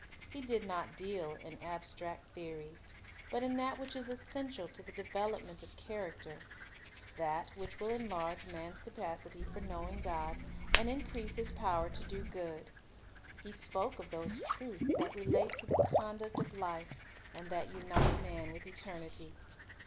He did not deal in abstract theories, but in that which is essential to the development of character; that which will enlarge man's capacity for knowing God, and increase his power to do good. He spoke of those truths that relate to the conduct of life, and that unite man with eternity.